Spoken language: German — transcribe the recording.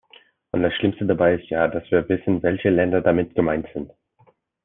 Und das Schlimmste dabei ist ja, dass wir wissen, welche Länder damit gemeint sind.